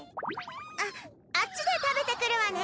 あっあっちで食べてくるわね。